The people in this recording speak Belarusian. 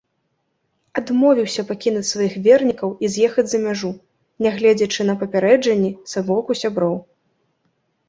Адмовіўся пакінуць сваіх вернікаў і з'ехаць за мяжу, нягледзячы на папярэджанні са боку сяброў.